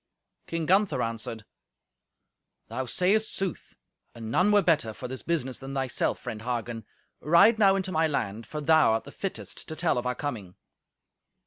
King Gunther answered, "Thou sayest sooth. And none were better for this business than thyself, friend Hagen. Ride now into my land, for thou art the fittest to tell of our coming."